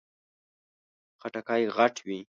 خټکی غټ وي.